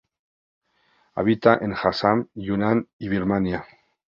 Habita en Assam, Yunnan y Birmania.